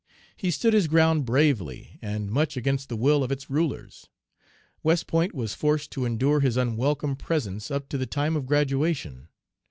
He stood his ground bravely, and much against the will of its rulers. West Point was forced to endure his unwelcome presence up to the time of graduation.